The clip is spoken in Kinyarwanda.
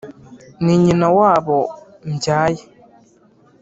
ni nyina w’abo mbyaye